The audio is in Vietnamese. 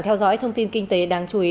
theo dõi thông tin kinh tế đáng chú ý